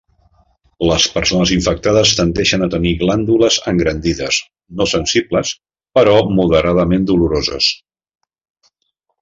Les persones infectades tendeixen a tenir glàndules engrandides, no sensibles, però moderadament doloroses.